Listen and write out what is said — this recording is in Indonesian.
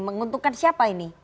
menguntungkan siapa ini